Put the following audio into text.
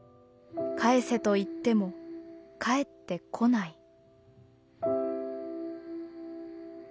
返せと言っても返って来ない」。